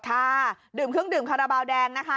ค่ะดื่มเครื่องดื่มคาราบาลแดงนะคะ